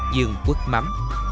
dương quốc mắm